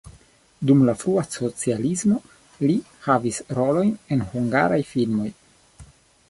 Dum la frua socialismo li havis rolojn en hungaraj filmoj.